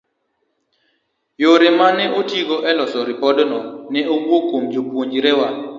yore ma ne otigo e loso ripodno ne owuok kuom jopuonjrewa